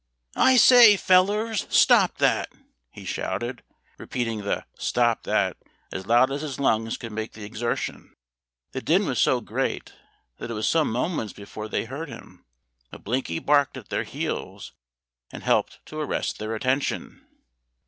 "I say, fellers, stop that!" he shouted, repeating the "stop that!" as loud as his lungs could make the exertion. The din was so great that it was some moments before they heard him, but Blinky barked at their heels, and helped to arrest their attention.